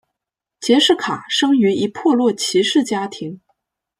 杰式卡生于一破落骑士家庭。